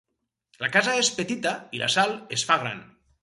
La casa és petita i la Sal es fa gran.